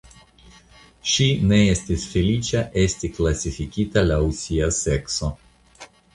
Ŝi ne estis feliĉa esti klasifikita laŭ sia sekso.